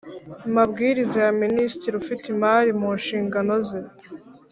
mabwiriza ya Minisitiri ufite imari mu nshingano ze